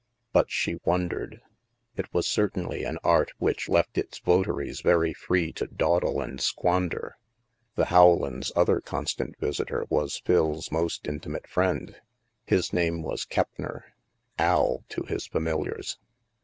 But she wondered! It was certainly an art which left its votaries very free to dawdle and squander. The Howlands' other constant visitor was Phil's most intimate friend; his name was Keppner —" Al " to his familiars.